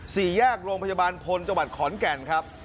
สี่แยกโรงพยาบาลพลจังหวัดขอนแก่นครับ